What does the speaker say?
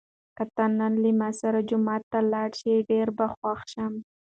که ته نن له ما سره جومات ته لاړ شې، ډېر به خوښ شم.